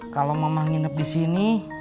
kalau mama nginep disini